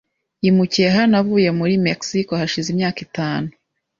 Yimukiye hano avuye muri Mexico hashize imyaka itanu .